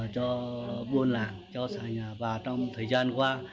cho buôn làng cho xài ea và trong thời gian qua